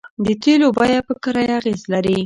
د تیلو بیه په کرایه اغیز لري